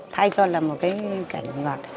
thay cho là một cái cảnh ngọt